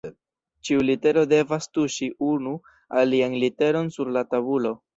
Ĉiu litero devas tuŝi unu alian literon sur la tabulo.